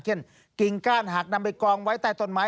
กิ่งก้านหากนำไปกองไว้ใต้ต้นไม้